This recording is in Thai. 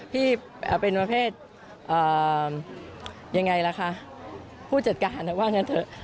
พี่เป็นประเภทยังไงล่ะคะผู้จัดการว่างั้นเถอะ